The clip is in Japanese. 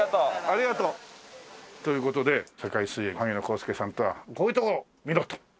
ありがとう。という事で世界水泳萩野公介さんはこういうところを見ろと。